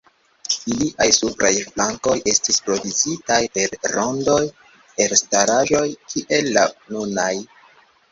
Iliaj supraj flankoj, estis provizitaj per rondaj elstaraĵoj, kiel la nunaj.